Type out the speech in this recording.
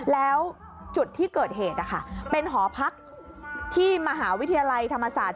แล้วจุดที่เกิดเหตุเป็นหอพักที่มหาวิทยาลัยธรรมศาสตร์